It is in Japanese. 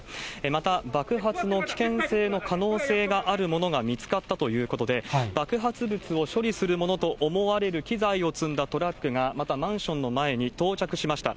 また爆発の危険性の可能性があるものが見つかったということで、爆発物を処理するものと思われる機材を積んだトラックが、またマンションの前に到着しました。